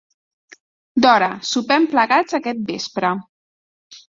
D'hora, sopem plegats aquest vespre.